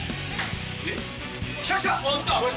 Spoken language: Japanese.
来た、来た。